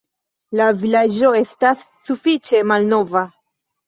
La vilaĝo estas sufiĉe malnova.